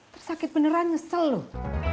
tersakit beneran ngesel loh